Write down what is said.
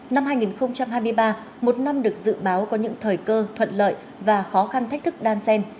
năm hai nghìn hai mươi ba một năm được dự báo có những thời cơ thuận lợi và khó khăn thách thức đan xen